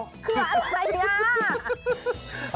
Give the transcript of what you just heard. คืออะไรนะ